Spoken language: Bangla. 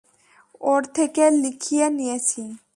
ওর থেকে লিখিয়ে নিয়েছি।